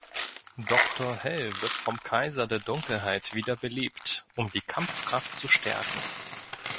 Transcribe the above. Doktor Hell wird vom Kaiser der Dunkelheit wieder belebt, um die Kampfkraft zu stärken.